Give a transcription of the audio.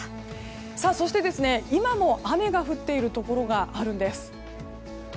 そして、今も雨が降っているところがあるんです。